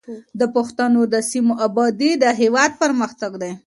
د پښتنو د سیمو ابادي د هېواد پرمختګ دی.